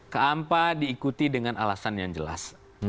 keampa diikuti dengan alasan yang jelas